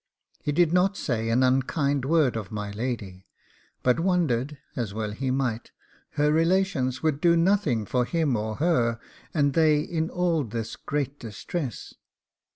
He did not say an unkind word of my lady, but wondered, as well he might, her relations would do nothing for him or her, and they in all this great distress.